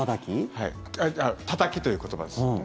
たたきという言葉です。